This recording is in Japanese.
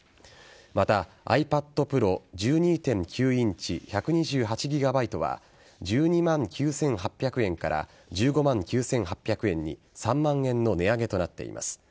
また、ｉＰａｄＰｒｏ１２．９インチ１２８ＧＢは１２万９８００円から１５万９８００円に３万円の値上げとなっています。